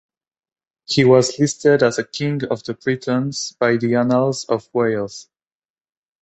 He was listed as a King of the Britons by the Annals of Wales.